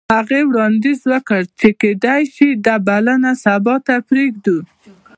هغې وړاندیز وکړ چې کیدای شي دا بلنه سبا ته پریږدو